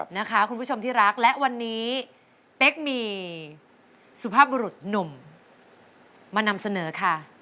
นะคะคุณผู้ชมที่รักและวันนี้เป๊กมีสุภาพบุรุษหนุ่มมานำเสนอค่ะ